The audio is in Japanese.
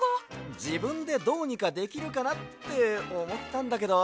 じぶんでどうにかできるかなっておもったんだけど。